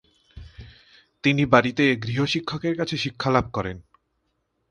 তিনি বাড়িতে গৃহশিক্ষকের কাছে শিক্ষালাভ করেন।